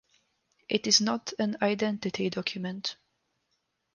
It is not an identity document.